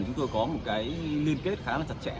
chúng tôi có một cái liên kết khá là chặt chẽ